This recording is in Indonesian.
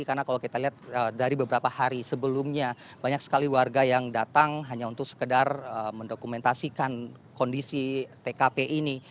karena kalau kita lihat dari beberapa hari sebelumnya banyak sekali warga yang datang hanya untuk sekedar mendokumentasikan kondisi tkp ini